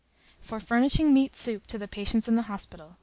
For furnishing meat soup to the patients in the hospital.